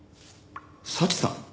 早智さん？